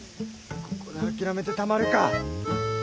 ここで諦めてたまるか！